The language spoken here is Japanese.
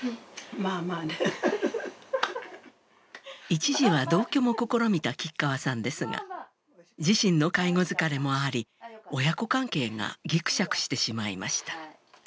一時は同居も試みた吉川さんですが自身の介護疲れもあり親子関係がギクシャクしてしまいました。